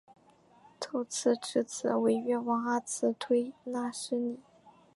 秃剌之子为越王阿剌忒纳失里。